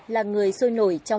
là người sôi nổi trong các hoạt động